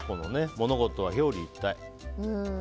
物事は表裏一体。